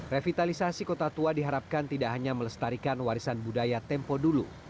revitalisasi kota tua diharapkan tidak hanya melestarikan warisan budaya tempo dulu